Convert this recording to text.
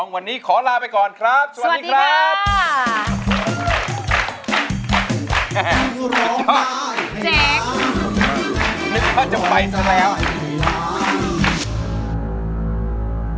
วันนี้ขอลาไปก่อนครับสวัสดีครับ